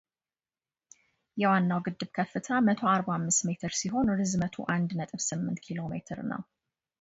የዋናው ግድብ ከፍታ መቶ አርባ አምስት ሜትር ሲሆን ርዝመቱ አንድ ነጥብ ስምንት ኪሎ ሜትር ነው።